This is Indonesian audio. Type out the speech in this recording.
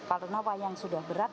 karena wayang sudah berat